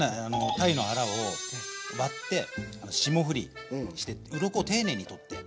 鯛のアラを割って霜降りしてってうろこを丁寧に取って。